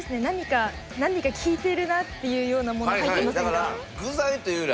何か何か効いてるなっていうようなもの入ってませんか？